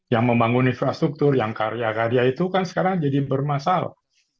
yang membangun infrastruktur yang karya karya itu kan sekarang jadi bermasalah